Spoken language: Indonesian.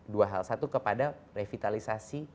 dua hal satu kepada revitalisasi